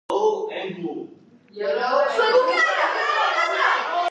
კამარა გვხვდება ცილინდრული, შეკრული, ჯვაროვანი, სარკული, აფრის ფორმის და გუმბათის სახით.